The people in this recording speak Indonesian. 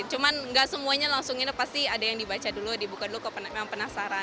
cuman gak semuanya langsung nginep pasti ada yang dibaca dulu dibuka dulu yang penasaran